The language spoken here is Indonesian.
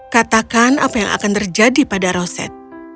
katakan apa yang akan terjadi pada roset